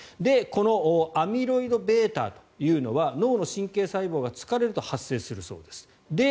このアミロイドβというのは脳の神経細胞が疲れると発生するそうです。